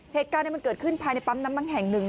เหตุการณ์มันเกิดขึ้นภายในปั๊มน้ำมันแห่งหนึ่ง